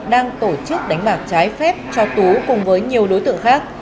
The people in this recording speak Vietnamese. đang tổ chức đánh bạc trái phép cho tú cùng với nhiều đối tượng khác